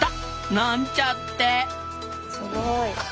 なんちゃって。